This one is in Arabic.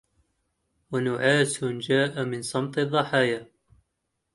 ونعاس جاء من صمت الضحايا